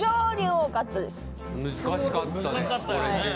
難しかったです。